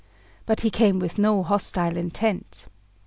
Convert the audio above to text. But he came with no hostile intent.